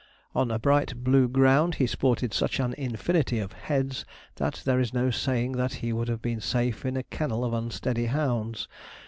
On a bright blue ground he sported such an infinity of 'heads,' that there is no saying that he would have been safe in a kennel of unsteady hounds.